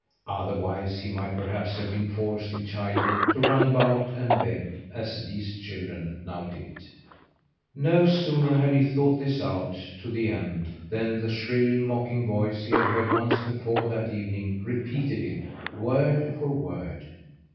Otherwise, he might perhaps have been forced in childhood to run about and beg, as these children now did. No sooner had he thought this out to the end than the shrill, mocking voice he had heard once before that evening repeated it, word for word.